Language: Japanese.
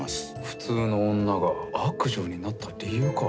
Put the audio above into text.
普通の女が悪女になった理由か。